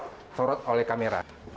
nggak boleh disorot oleh kamera